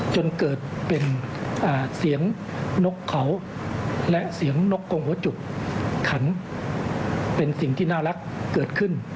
จนเกิดเป็นเสียงนกเขาและเสียงนกกงหัวจุกขันเป็นสิ่งที่น่ารักเกิดขึ้น